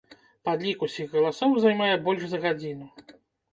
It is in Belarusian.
Падлік усіх галасоў займае больш за гадзіну.